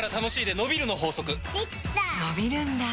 のびるんだ